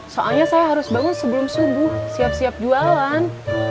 soalnya saya harus bangun sebelum subuh siap siap jualan